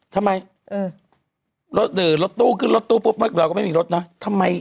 ทำไมเออรถหรือรถตู้ขึ้นรถตู้ปุ๊บไม่เราก็ไม่มีรถเนอะทำไม